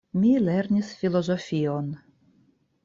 Mi lernis filozofion.